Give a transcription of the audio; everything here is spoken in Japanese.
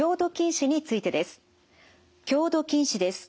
強度近視です。